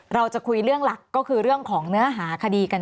เราจะคุยเรื่องหลักก็คือเรื่องของเนื้อหาคดีกัน